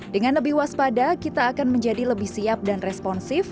dengan lebih waspada kita akan menjadi lebih siap dan responsif